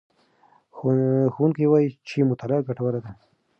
ښوونکی وایي چې مطالعه ګټوره ده.